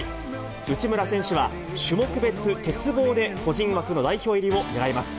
内村選手は、種目別鉄棒で個人枠の代表入りを狙います。